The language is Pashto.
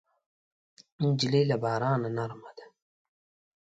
نجلۍ له بارانه نرمه ده.